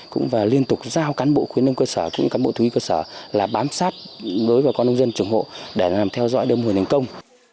cũng liên tục giao cán bộ khuyến đông cơ sở cũng như cán bộ thú y cơ sở là bám sát đối với con nông dân trưởng hộ để làm theo dõi đơn mùi nền công